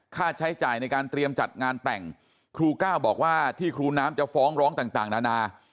ค่าใช้จ่ายในการเตรียมจัดงานแต่งครูก้าวบอกว่าที่ครูน้ำจะฟ้องร้องต่างนานา